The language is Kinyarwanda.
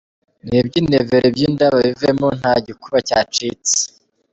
Nibibyinire Velo iby’inda babiveho nta gikuba cyacitse.